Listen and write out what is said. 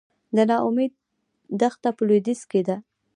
د نا امید دښته په لویدیځ کې ده